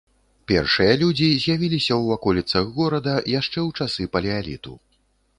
Першыя людзі з'явіліся ў ваколіцах горада яшчэ ў часы палеаліту.